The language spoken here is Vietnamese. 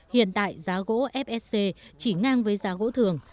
hiện tại giá gỗ fsc chỉ ngang với giá gỗ thường